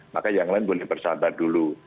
maka yang lain boleh bersahabat dulu